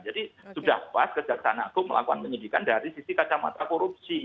sudah pas kejaksaan agung melakukan penyidikan dari sisi kacamata korupsi